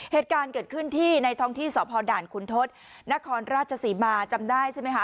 เหตุการณ์เกิดขึ้นที่ในท้องที่สพด่านคุณทศนครราชศรีมาจำได้ใช่ไหมคะ